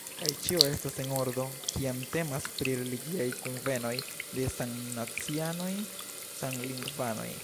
Kaj ĉio estas en ordo, kiam temas pri religiaj kunvenoj de samnacianoj, samlingvanoj.